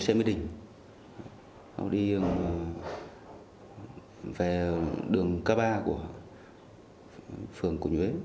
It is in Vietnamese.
hãy đăng ký kênh để ủng hộ kênh của mình nhé